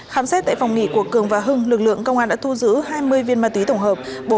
khám xét tại phòng nghỉ của cường và hưng lực lượng công an đã thu giữ hai mươi viên ma túy tổng hợp